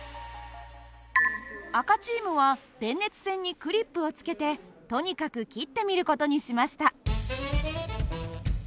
赤チームは電熱線にクリップをつけてとにかく切ってみる事にしました。